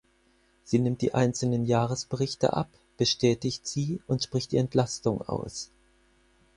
Sie nimmt die einzelnen Jahresberichte ab, bestätigt sie und spricht die Entlastung aus.